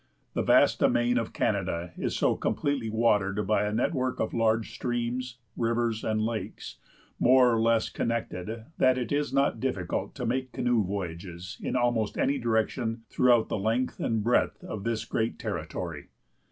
The vast domain of Canada is so completely watered by a network of large streams, rivers, and lakes, more or less connected, that it is not difficult to make canoe voyages in almost any direction throughout the length and breadth of this great territory.